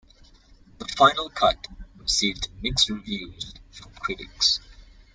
"The Final Cut" received mixed reviews from critics.